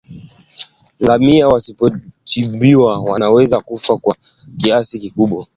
Ngamia wasipotibiwa wanaweza kufa kwa kiasi kikubwa